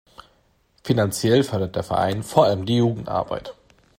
Finanziell fördert der Verein vor allem die Jugendarbeit.